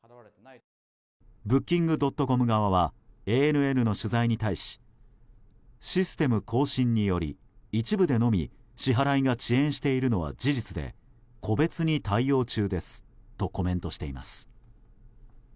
ブッキングドットコム側はＡＮＮの取材に対しシステム更新により一部でのみ支払いが遅延しているのは事実で個別に対応中ですとコメントしています。